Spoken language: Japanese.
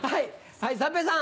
はい三平さん。